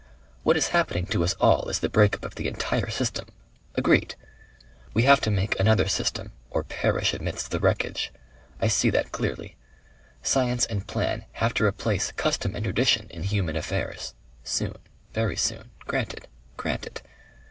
What is happening to us all is the breakup of the entire system. Agreed! We have to make another system or perish amidst the wreckage. I see that clearly. Science and plan have to replace custom and tradition in human affairs. Soon. Very soon. Granted. Granted.